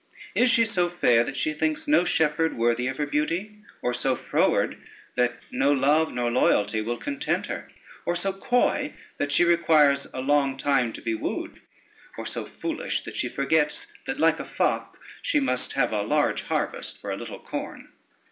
Is she so fair that she thinks no shepherd worthy of her beauty? or so froward that no love nor loyalty will content her? or so coy that she requires a long time to be wooed? or so foolish that she forgets that like a fop she must have a large harvest for a little corn?"